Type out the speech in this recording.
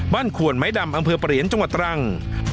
บ้านขวนไม้ดำอประเหรียนจังหวัดตรัง